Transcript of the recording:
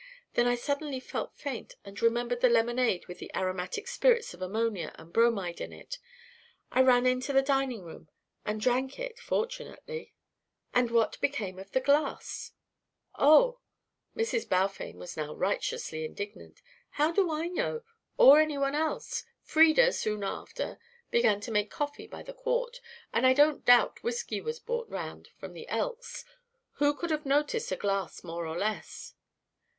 Then I suddenly felt faint and remembered the lemonade with the aromatic spirits of ammonia and bromide in it. I ran into the dining room and drank it fortunately!" "And what became of the glass?" "Oh!" Mrs. Balfame was now righteously indignant. "How do I know? Or any one else? Frieda, soon after, began to make coffee by the quart and I don't doubt whisky was brought round from the Elks. Who could have noticed a glass more or less?"